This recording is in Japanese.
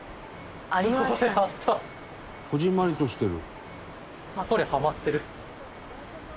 「こぢんまりとしてる」「」